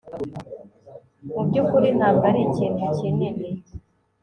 Mubyukuri ntabwo arikintu kinini